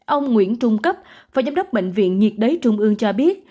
ông nguyễn trung cấp phó giám đốc bệnh viện nhiệt đới trung ương cho biết